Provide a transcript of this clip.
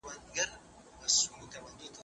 آیا په رښتیا ستاسو په کار کې دومره ډېره بیړه ده؟